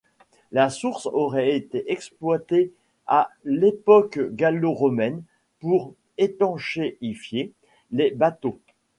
La source aurait été exploitée à l’époque gallo-romaine pour étanchéifier les bateaux.